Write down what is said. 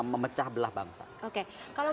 memecah belah bangsa oke kalau